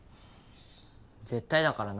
絶対だからな。